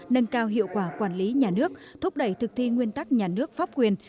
nâng cao hiệu quả quản lý nhà nước thúc đẩy thực thi nguyên tắc nhà nước pháp quyền